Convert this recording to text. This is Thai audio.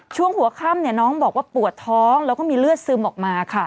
ช่วงหัวค่ำน้องบอกว่าปวดท้องแล้วก็มีเลือดซึมออกมาค่ะ